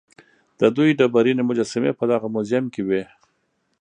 د دوی ډبرینې مجسمې په دغه موزیم کې وې.